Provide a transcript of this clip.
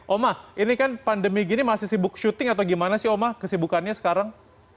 oma ini kan pandemi gini masih sibuk syuting atau gimana sih omah kesibukannya sekarang